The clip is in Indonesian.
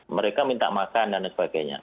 mereka minta makan dan sebagainya